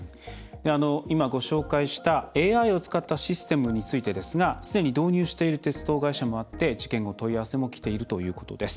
今ご紹介したＡＩを使ったシステムについてですがすでに導入している鉄道会社もあって、問い合わせもきているということです。